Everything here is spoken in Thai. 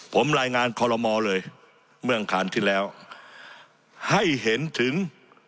ผมรายงานคอลโลมอเลยเมื่ออังคารที่แล้วให้เห็นถึง